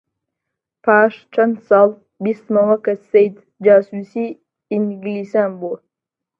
پاش چەند ساڵ بیستمەوە کە سەید جاسووسی ئینگلیسان بووە